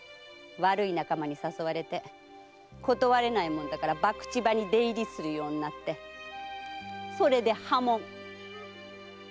悪い仲間に誘われて断れないもんだから博打場に出入りするようになってそれで破門。